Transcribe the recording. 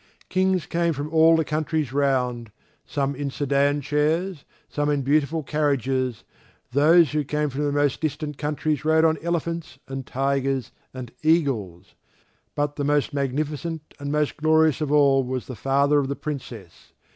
Kings came from all the countries round, some in sedan chairs, others in beautiful carriages; those who came from the most distant countries rode on elephants and tigers and eagles. But the most magnificent and most glorious of all was the father of the Princess.